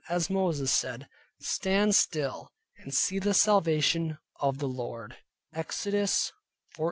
As Moses said, "Stand still and see the salvation of the Lord" (Exodus 14.13).